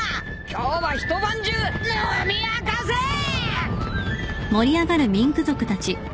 今日は一晩中飲み明かせぇ！